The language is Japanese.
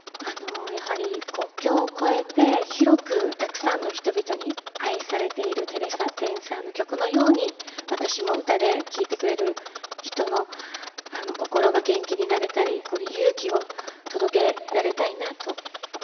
やはり国境を越えて広くたくさんの人々に愛されているテレサ・テンさんの曲のように私も歌で聴いてくれる人の心が元気になれたり勇気を届けられたいなと思ったのではい。